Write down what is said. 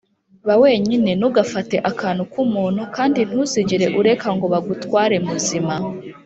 ba wenyine, ntugafate akantu k'umuntu, kandi ntuzigere ureka ngo bagutware muzima.